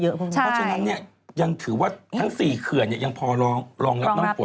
เพราะฉะนั้นยังถือว่าทั้ง๔เขื่อนยังพอรองรับน้ำผลได้อยู่